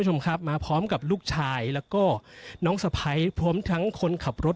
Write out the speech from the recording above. มาพร้อมกับลูกชายและน้องสะพัยพร้อมทั้งคนขับรถ